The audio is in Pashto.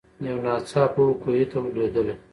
یو ناڅاپه وو کوهي ته ور لوېدلې